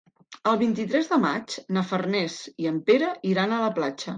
El vint-i-tres de maig na Farners i en Pere iran a la platja.